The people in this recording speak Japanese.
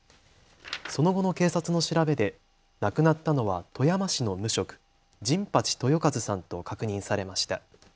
その後の警察の調べで亡くなったのは富山市の無職、神初豊一さんと確認されました。